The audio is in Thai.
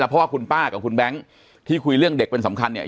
เพราะว่าคุณป้ากับคุณแบงค์ที่คุยเรื่องเด็กเป็นสำคัญเนี่ย